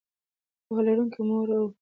پوهه لرونکې مور د اوبو پاکوالی ارزوي.